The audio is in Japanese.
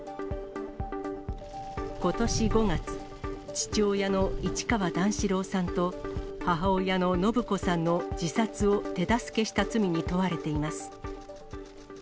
ことし５月、父親の市川段四郎さんと母親の延子さんの自殺を手助けした罪に問われています。